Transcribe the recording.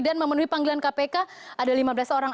dan memenuhi panggilan kpk ada lima belas orang